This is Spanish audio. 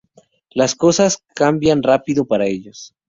Las cosas caminaban rápido para ellos.